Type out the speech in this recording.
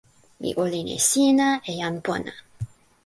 mi olin e sina e jan pona